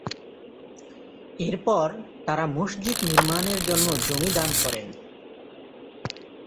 এরপর, তারা মসজিদ নির্মাণের জন্য জমি দান করেন।